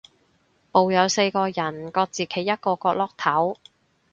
部有四個人，各自企一個角落頭